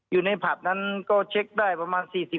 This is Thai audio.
อยู่ในพัฒน์นั้นก็เช็คได้ประมาณ๔๐วันละที